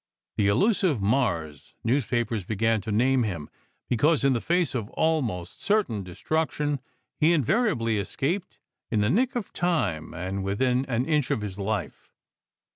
The " Elusive Mars," newspapers began to name him, because in the face of almost certain destruction he invariably escaped in the nick of time and within an inch of his life.